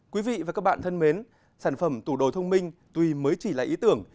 quý vị và các bạn thân mến sản phẩm tủ đồ thông minh tuy mới chỉ là ý tưởng